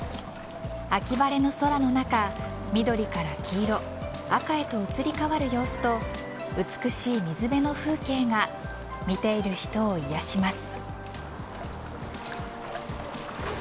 秋晴れの空の中緑から黄色赤へと移り変わる様子と美しい水辺の風景が見ている人を癒やします。